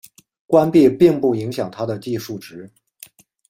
关闭并不影响它的计数值。